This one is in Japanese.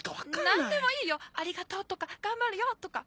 何でもいいよ「ありがとう」とか「頑張るよ」とか。